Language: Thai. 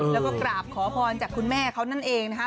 แล้วก็กราบขอพรจากคุณแม่เขานั่นเองนะคะ